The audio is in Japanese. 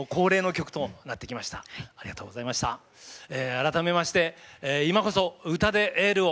改めまして今こそ歌でエールを！